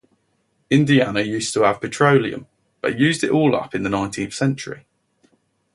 Indiana used to have petroleum but used it all up in the nineteenth century.